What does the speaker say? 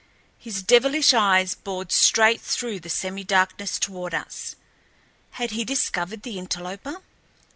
His devilish eyes bored straight through the semi darkness toward us. He had discovered the interloper.